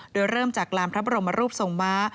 โดยเริ่มจากลามพระบรมรูปทรงม้า